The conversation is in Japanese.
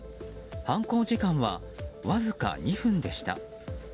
犯行時間はわずか２分でした。